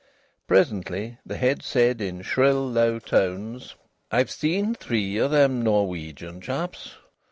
Presently the head said, in shrill, slow tones: "I've seen three o' them Norwegian chaps.